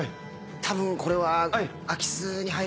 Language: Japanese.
たぶんこれは空き巣に。